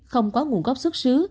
không có nguồn gốc xuất xứ